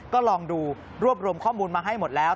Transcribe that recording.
ก็ลองดูรวบรวมข้อมูลมาให้หมดแล้ว